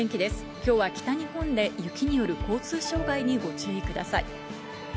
今日は北日本で雪による交通障害にご注意ください。